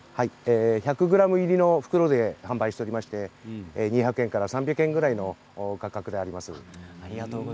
１００ｇ入りの袋で販売しておりまして２００円から３００円ぐらいの価格です。